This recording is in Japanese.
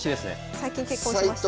最近結婚しました。